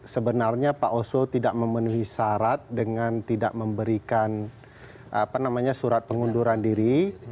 sebenarnya pak oso tidak memenuhi syarat dengan tidak memberikan surat pengunduran diri